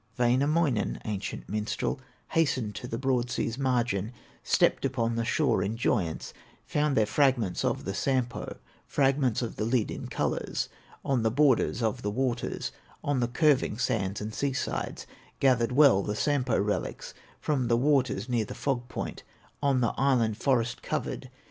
Wainamoinen, ancient minstrel, Hastened to the broad sea's margin, Stepped upon the shore in joyance; Found there fragments of the Sampo, Fragments of the lid in colors, On the borders of the waters, On the curving sands and sea sides; Gathered well the Sampo relics From the waters near the fog point, On the island forest covered.